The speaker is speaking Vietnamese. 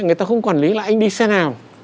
người ta không quản lý là anh đi xe nào